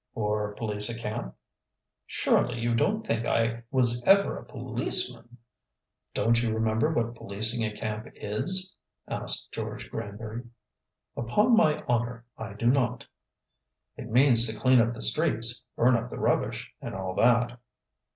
"Or police a camp?" "Surely you don't think I was ever a policeman?" "Don't you remember what policing a camp is?" asked George Granbury. "Upon my honor, I do not." "It means to clean up the streets, burn up the rubbish, and all that."